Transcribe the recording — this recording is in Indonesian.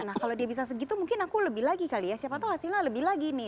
nah kalau dia bisa segitu mungkin aku lebih lagi kali ya siapa tau hasilnya lebih lagi nih